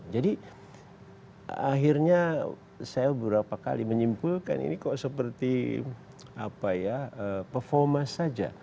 jadi akhirnya saya beberapa kali menyimpulkan ini kok seperti performance saja